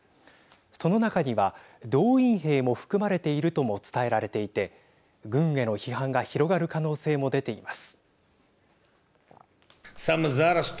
その中には動員兵も含まれているとも伝えられていて軍への批判が広がる可能性も出ています。